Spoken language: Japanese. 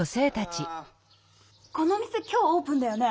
・この店今日オープンだよね。